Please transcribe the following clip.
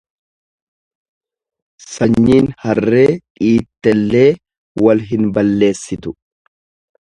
Sanyiin harree dhiittellee wal hin balleessitu.